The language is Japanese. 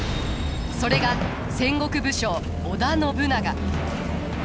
それが戦国武将織田信長。